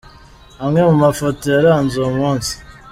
Amwe mu mafoto yaranze uwo munsi :.